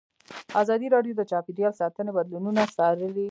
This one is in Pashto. ازادي راډیو د چاپیریال ساتنه بدلونونه څارلي.